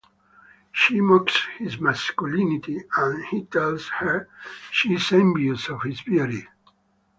She mocks his masculinity, and he tells her she is envious of his beauty.